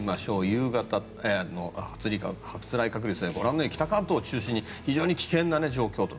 夕方の発雷確率はご覧のように北関東を中心に非常に危険な状況と。